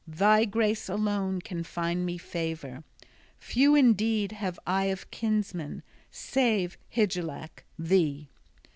Thy grace alone can find me favor. Few indeed have I of kinsmen, save, Hygelac, thee!"